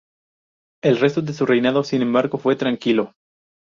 El resto de su reinado, sin embargo, fue tranquilo.